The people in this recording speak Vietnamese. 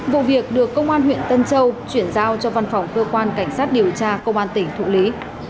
vụ việc được công an huyện tân châu chuyển giao cho văn phòng cơ quan cảnh sát điều tra công an tỉnh thụ lý